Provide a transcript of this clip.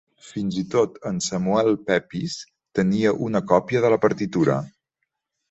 Fins i tot en Samuel Pepys tenia una còpia de la partitura .